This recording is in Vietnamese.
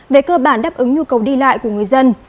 về cơ bản đáp ứng nhu cầu đi lại của người dân